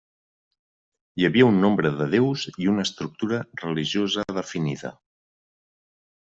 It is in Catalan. Hi havia un nombre de déus i una estructura religiosa definida.